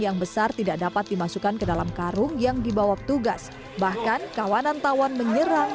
yang besar tidak dapat dimasukkan ke dalam karung yang dibawa petugas bahkan kawanan tawan menyerang